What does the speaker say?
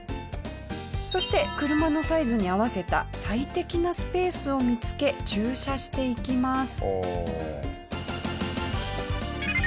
そして車のサイズに合わせた最適なスペースを見付け駐車していきます。